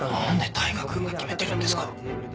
何で大牙君が決めてるんですか？